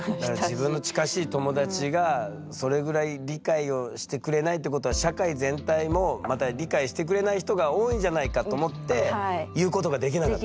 自分の近しい友達がそれぐらい理解をしてくれないってことは社会全体もまだ理解してくれない人が多いんじゃないかと思って言うことができなかった。